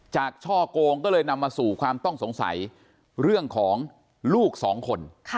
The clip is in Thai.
ช่อโกงก็เลยนำมาสู่ความต้องสงสัยเรื่องของลูกสองคน